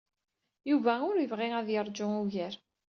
Yuba ur yebɣi ad yeṛju ugar.